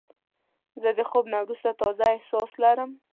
زه د خوب نه وروسته تازه احساس لرم.